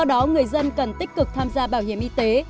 do đó người dân cần tích cực tham gia bảo hiểm y tế